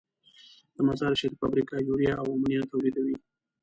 د مزارشریف فابریکه یوریا او امونیا تولیدوي.